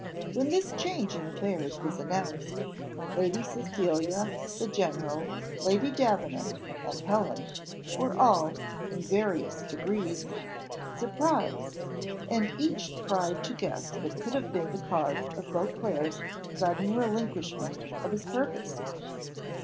When this change in affairs was announced, Lady Cecilia, the general, Lady Davenant, and Helen, were all, in various degrees, surprised, and each tried to guess what could have been the cause of Beauclerc's sudden relinquishment of his purpose.